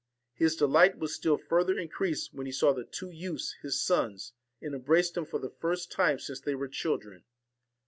His delight was still further in creased when he saw the two youths his sons, and embraced them for the first time since they were children.